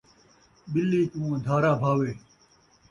ٻلی کوں اندھارا بھاوے